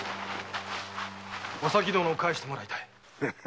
お咲殿を返してもらいたい。